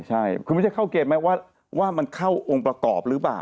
ใช่คือไม่ใช่เข้าเกณฑ์ไหมว่ามันเข้าองค์ประกอบหรือเปล่า